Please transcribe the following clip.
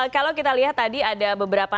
kalau kita lihat tadi ada beberapa